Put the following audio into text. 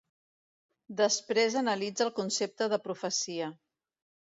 Després analitza el concepte de profecia.